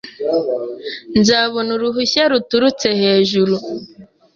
Nzabona uruhushya ruturutse hejuru.